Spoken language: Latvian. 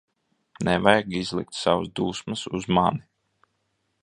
Nevajag izlikt savas dusmas uz mani.